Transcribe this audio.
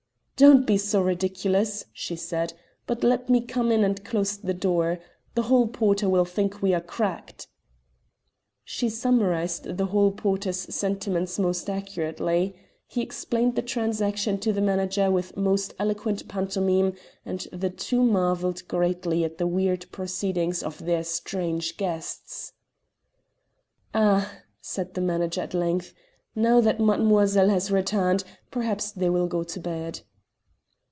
"Don't be so ridiculous," she said, "but let me come in and close the door. The hall porter will think we are cracked." She summarised the hall porter's sentiments most accurately. He explained the transaction to the manager with most eloquent pantomime, and the two marvelled greatly at the weird proceedings of their strange guests. "Ah," said the manager at length, "now that mademoiselle has returned, perhaps they will go to bed."